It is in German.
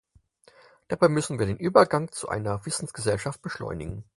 Deshalb müssen wir den Übergang zu einer Wissensgesellschaft beschleunigen.